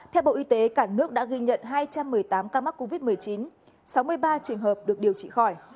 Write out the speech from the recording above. theo bộ y tế cả nước đã ghi nhận hai trăm một mươi tám ca mắc covid một mươi chín sáu mươi ba trường hợp được điều trị khỏi